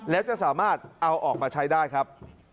แล้วจะสามารถเอาออกมาใช้ได้ครับ